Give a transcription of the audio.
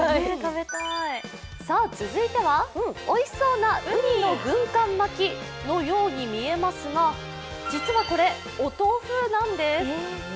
続いては、おいしそうなうにの軍艦巻きのように見えますが、実はこれ、お豆腐なんです。